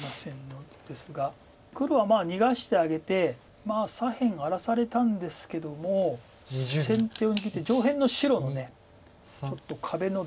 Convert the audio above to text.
黒はまあ逃がしてあげて左辺荒らされたんですけども先手を握って上辺の白のちょっと壁のダメヅマリ。